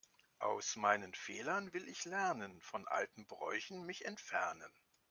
Aus meinen Fehlern will ich lernen, von alten Bräuchen mich entfernen.